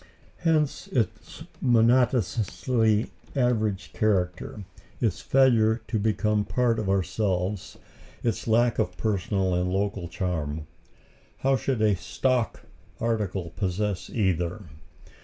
Hence its monotonously average character, its failure to become part of ourselves, its lack of personal and local charm. How should a "stock" article possess either?